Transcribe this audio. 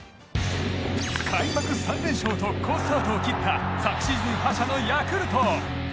開幕３連勝と好スタートを切った昨シーズン覇者のヤクルト。